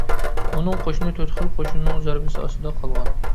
ئۇنىڭ قوشۇنى تۆت خىل قوشۇننىڭ زەربىسى ئاستىدا قالغان.